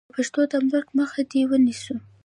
د پښتو د مرګ مخه دې ونیسو.